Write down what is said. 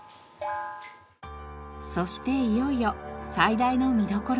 そしていよいよ最大の見どころへ。